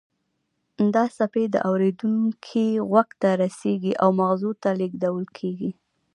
دا څپې د اوریدونکي غوږ ته رسیږي او مغزو ته لیږدول کیږي